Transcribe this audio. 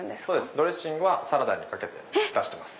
ドレッシングはサラダにかけて出してます。